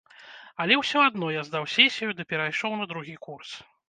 Але ўсё адно я здаў сесію ды перайшоў на другі курс.